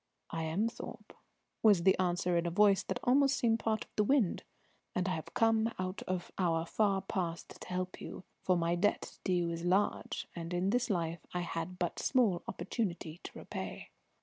"I am Thorpe," was the answer in a voice that almost seemed part of the wind. "And I have come out of our far past to help you, for my debt to you is large, and in this life I had but small opportunity to repay."